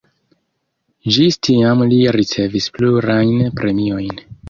Ĝis tiam li ricevis plurajn premiojn.